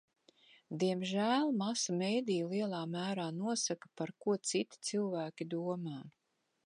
Diemžēl masu mediji lielā mērā nosaka, par ko citi cilvēki domā.